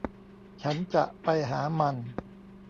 ฉันจะไปหามัน